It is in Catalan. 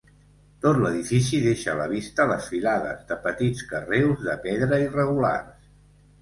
Tot l'edifici deixa a la vista les filades de petits carreus de pedra irregulars.